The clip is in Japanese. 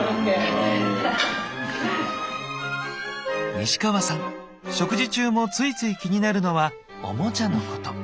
西川さん食事中もついつい気になるのはオモチャのこと。